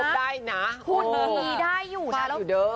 พูดทีได้อยู่นะ